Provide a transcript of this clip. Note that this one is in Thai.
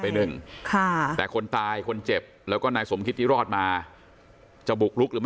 หนึ่งค่ะแต่คนตายคนเจ็บแล้วก็นายสมคิดที่รอดมาจะบุกลุกหรือไม่